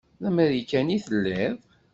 D amarikani i telliḍ?